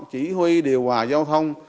chỉ huy điều hòa giao thông